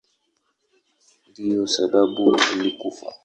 Ndiyo sababu alikufa.